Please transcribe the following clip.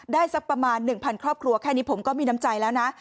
สักประมาณ๑๐๐ครอบครัวแค่นี้ผมก็มีน้ำใจแล้วนะ